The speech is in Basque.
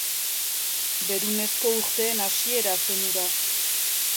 Berunezko urteen hasiera zen hura.